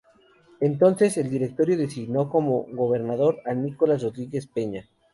Entonces, el Directorio designó como gobernador a Nicolás Rodríguez Peña.